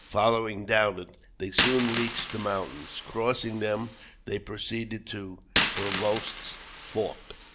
Following down it, they soon reached the mountains. Crossing them, they proceeded to Prevost's Fork.